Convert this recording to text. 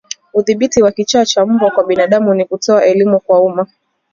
Udhibiti wa kichaa cha mbwa kwa binadamu ni kutoa elimu kwa umma